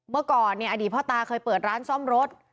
เมื่อก่อนเนี่ยอดีตพ่อตาเคยเปิดร้านซ่อมรถ